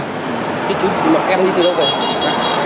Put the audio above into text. thế chứ mà em đi từ đâu kìa